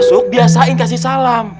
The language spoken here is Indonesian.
masuk biasain kasih salam